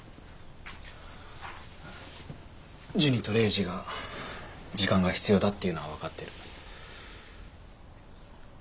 ジュニとレイジが時間が必要だっていうのは分かってる。